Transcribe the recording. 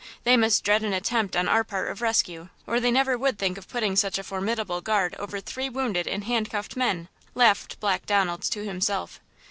They must dread an attempt on our part of rescue, or they never would think of putting such a formidable guard over three wounded and handcuffed men!" laughed Black Donald to himself.